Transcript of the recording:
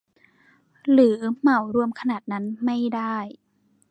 หรือเหมารวมขนาดนั้นไม่ได้